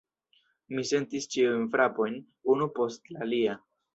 Mi sentis ĉiujn frapojn, unu post la alia.